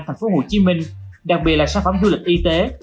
thành phố hồ chí minh đặc biệt là sản phẩm du lịch y tế